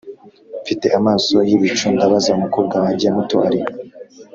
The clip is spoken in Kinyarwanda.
mfite amaso yibicu ndabaza, umukobwa wanjye muto arihe?